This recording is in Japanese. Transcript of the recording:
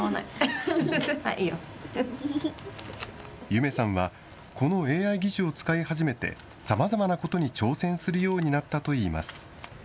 ゆめさんは、このＡＩ義手を使い始めて、さまざまなことに挑戦するようになったといいます。